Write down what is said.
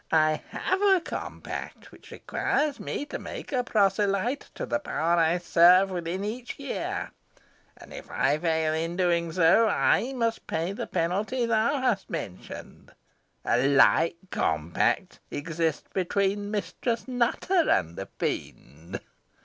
"I have a compact which requires me to make a proselyte to the power I serve within each year, and if I fail in doing so, I must pay the penalty thou hast mentioned. A like compact exists between Mistress Nutter and the Fiend."